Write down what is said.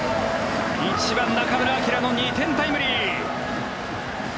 １番、中村晃の２点タイムリー。